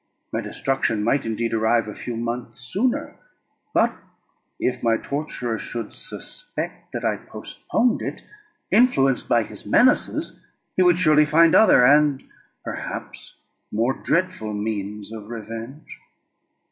My destruction might indeed arrive a few months sooner; but if my torturer should suspect that I postponed it, influenced by his menaces, he would surely find other, and perhaps more dreadful means of revenge.